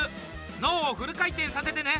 脳をフル回転させてね。